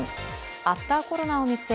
アフターコロナを見据え